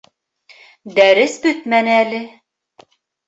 Дәрес бөтмәне әле.